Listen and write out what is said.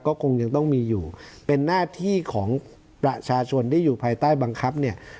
ก็คงยังต้องมีอยู่เป็นหน้าที่ของประชาชนที่อยู่ภายใต้บังคับเนี่ย